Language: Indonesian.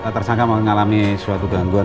tersangka mau ngalami suatu gangguan